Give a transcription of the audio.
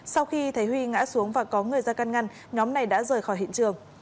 sau khi thấy huy ngã xuống và có người ra căn ngăn nhóm này đã rời khỏi hiện trường